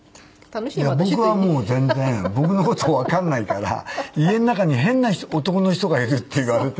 いや僕はもう全然僕の事わかんないから「家の中に変な男の人がいる」って言われてて。